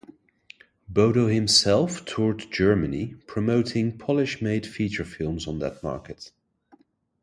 Bodo himself toured Germany promoting Polish-made feature films on that market.